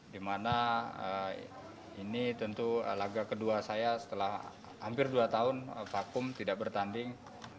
dimana ini tentu laga kedua saya setelah hampir dua tahun vakum tidak bertanding